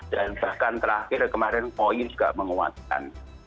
dan bahkan terakhir kemarin oi juga menguatkan